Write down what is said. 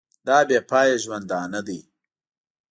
دا بې پایه ژوندانه ده.